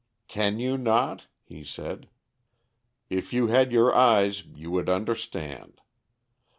"Can you not?" he said. "If you had your eyes you would understand.